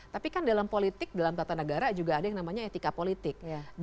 tapi kan dalam politik dalam tata negara juga ada yang namanya etika politik